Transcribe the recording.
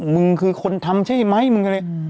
มึงคือคนทำใช่ไหมมึงอะไร